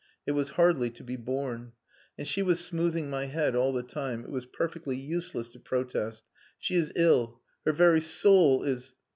It was hardly to be borne. And she was smoothing my head all the time.... It was perfectly useless to protest. She is ill. Her very soul is...."